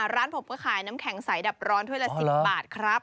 ร้านผมก็ขายน้ำแข็งใสดับร้อนถ้วยละ๑๐บาทครับ